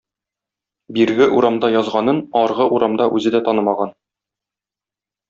Бирге урамда язганын аргы урамда үзе дә танымаган.